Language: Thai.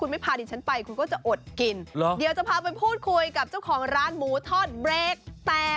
มันหนักรสโอเค